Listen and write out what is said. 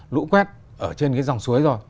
lũ quét ở trên cái dòng suối rồi